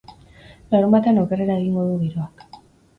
Larunbatean okerrera egingo du giroak.